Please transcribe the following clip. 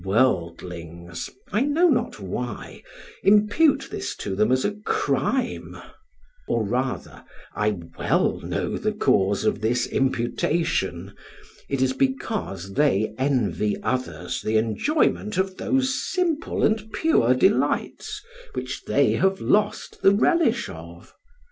Worldlings (I know not why) impute this to them as a crime: or rather, I well know the cause of this imputation, it is because they envy others the enjoyment of those simple and pure delights which they have lost the relish of.